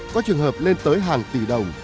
có trường hợp lên tới hàng tỷ đồng